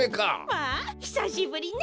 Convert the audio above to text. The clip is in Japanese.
まあひさしぶりね！